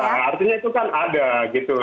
nah artinya itu kan ada gitu